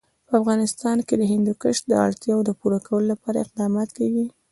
په افغانستان کې د هندوکش د اړتیاوو پوره کولو لپاره اقدامات کېږي.